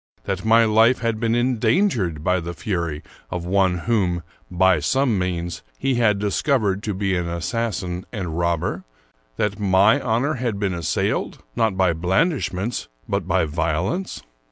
that my life had been endangered by the fury of one whom, by some means, he had discovered to be an assassin and rob ber? that my honor had been assailed, not by blandishments, but by violence?